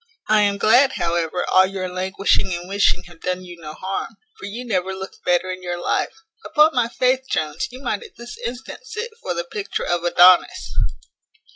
I am glad, however, all your languishing and wishing have done you no harm; for you never looked better in your life. Upon my faith! Jones, you might at this instant sit for the picture of Adonis."